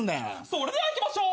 それではいきましょう！